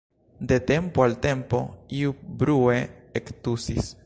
De tempo al tempo iu brue ektusis.